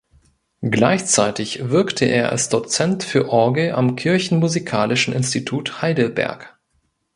Gleichzeitig wirkte er als Dozent für Orgel am Kirchenmusikalischen Institut Heidelberg.